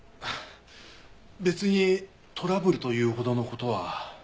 別にトラブルと言うほどの事は。